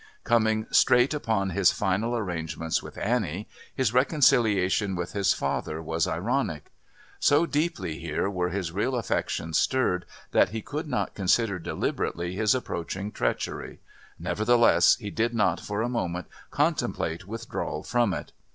Coming straight upon his final arrangements with Annie, his reconciliation with his father was ironic. So deeply here were his real affections stirred that he could not consider deliberately his approaching treachery; nevertheless he did not for a moment contemplate withdrawal from it.